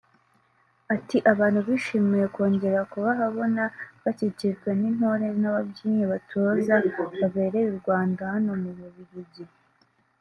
Ati “Abantu bishimiye kongera kubababona bakikijwe n’intore n’ababyinnyi batoza babereye u Rwanda hano mu Bubiligi